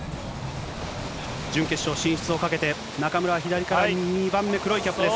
準決勝進出を懸けて、中村は左から２番目、黒いキャップです。